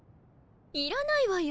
いらないわよ